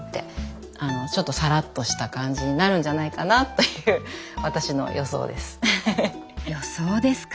ちょっとサラッとした感じになるんじゃないかなという予想ですか。